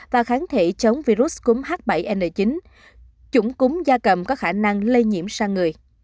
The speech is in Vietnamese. và kháng thể chống virus cúm h bảy n chín chủng cúm da cầm có khả năng lây nhiễm sang người